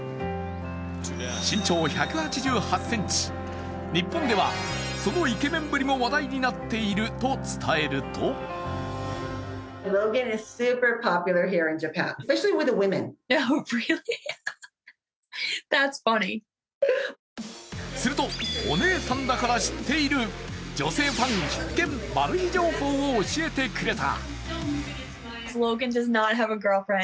身長１８８ｃｍ、日本ではそのイケメンぶりも話題になっていると伝えるとすると、お姉さんだから知っている女性ファン必見、マル秘情報を教えてくれた。